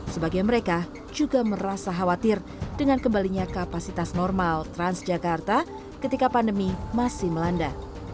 sebagian mereka juga merasa khawatir dengan kembalinya kapasitas normal transjakarta ketika pandemi masih melanda